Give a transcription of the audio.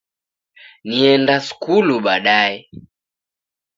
Nienda sukulu baadaye